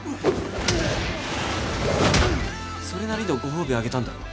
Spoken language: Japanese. それなりのご褒美あげたんだろ？